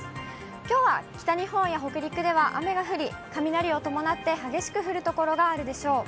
きょうは北日本や北陸では雨が降り、雷を伴って激しく降る所があるでしょう。